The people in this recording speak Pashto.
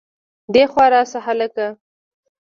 دېخوا راشه هلکه